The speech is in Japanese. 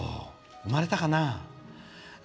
生まれたかな？